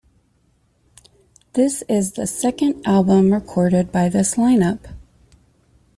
This is the second album recorded by this line-up.